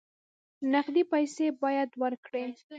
نقدې پیسې باید ورکړې.